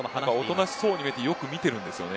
おとなしそうに見えてよく見ているんですよね